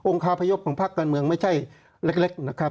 คาพยพของภาคการเมืองไม่ใช่เล็กนะครับ